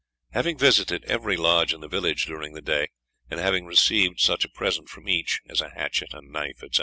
"Having visited every lodge in the village during the day, and having received such a present from each as a hatchet, a knife, etc.